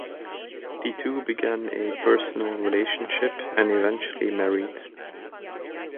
The two began a personal relationship and eventually married.